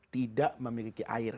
tidak memiliki air